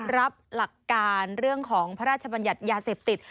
รับหลักการเรื่องของพระราชบัญญัติยาเสพติด